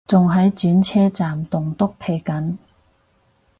仲喺轉車站棟篤企緊